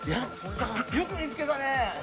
よく見つけたね！